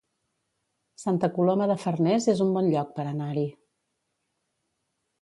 Santa Coloma de Farners es un bon lloc per anar-hi